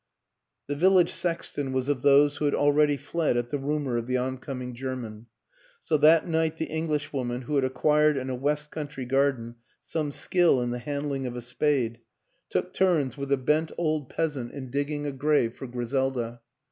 The village sexton was of those who had al ready fled at the rumor of the oncoming German; so that night the Englishwoman, who had ac quired in a west country garden some skill in the handling of a spade, took turns with a bent old WILLIAM AN ENGLISHMAN 175 peasant in digging a grave for Griselda.